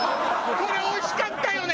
これおいしかったよね！